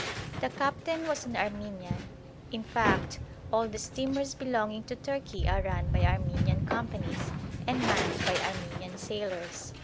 The captain was an Armenian: in fact, all the steamers belonging to Turkey are run by Armenian companies and manned by Armenian sailors.